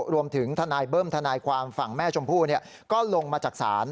ทนายเบิ้มทนายความฝั่งแม่ชมพู่ก็ลงมาจากศาล